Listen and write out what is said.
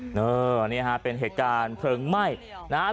อันนี้เป็นเหตุการณ์เพลิงไหม้